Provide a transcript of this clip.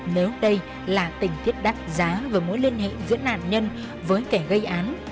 nếu đây là tình tiết đắt giá về mối liên hệ giữa nạn nhân với kẻ gây án